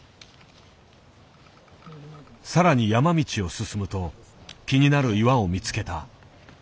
更に山道を進むと気になる岩を見つけた。